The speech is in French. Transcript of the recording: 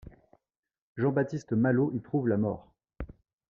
Jean-Baptiste Malo y trouve la mort.